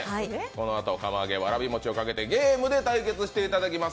このあと釜あげわらび餅をかけてゲームで対決していただきます。